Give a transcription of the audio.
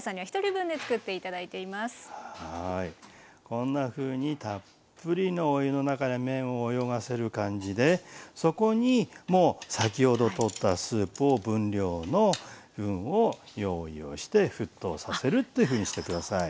こんなふうにたっぷりのお湯の中で麺を泳がせる感じでそこにもう先ほどとったスープを分量の分を用意をして沸騰させるっていうふうにして下さい。